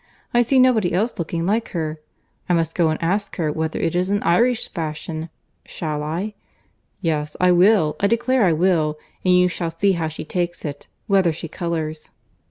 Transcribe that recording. I see nobody else looking like her!—I must go and ask her whether it is an Irish fashion. Shall I?—Yes, I will—I declare I will—and you shall see how she takes it;—whether she colours."